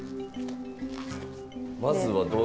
まずはどういう？